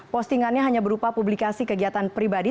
postingannya hanya berupa publikasi kegiatan pribadi